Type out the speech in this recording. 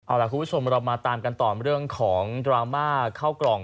เอาล่ะคุณผู้ชมเรามาตามกันต่อเรื่องของดราม่าเข้ากล่อง